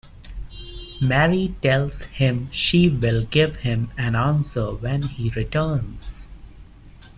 Mary tells him she will give him an answer when he returns.